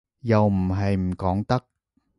又唔係唔講得